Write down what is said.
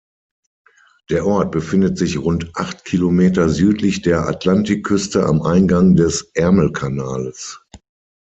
Der Ort befindet sich rund acht Kilometer südlich der Atlantikküste am Eingang des Ärmelkanals.